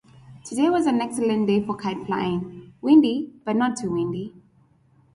Today was an excellent day for kite-flying; windy but not too windy.